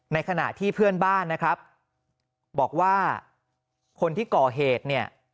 ในขณะที่เพื่อนบ้านนะครับบอกว่าคนที่ก่อเหตุเนี่ย